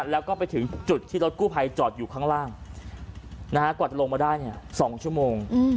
แล้วก็ไปถึงจุดที่รถกู้ภัยจอดอยู่ข้างล่างกว่าจะลงมาได้๒ชั่วโมง